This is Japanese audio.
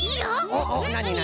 おっおっなになに？